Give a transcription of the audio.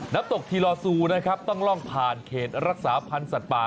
น้ำตกทีลอซูนะครับต้องล่องผ่านเขตรักษาพันธ์สัตว์ป่า